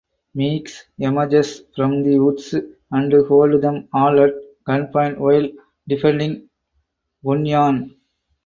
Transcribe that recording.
Meeks emerges from the woods and hold them all at gunpoint while defending Bunyan.